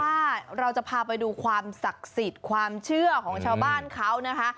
ว่าเราจะพาไปดูความศักดิ์สิทธิ์ความเชื่อของชาวบ้านเขานะคะ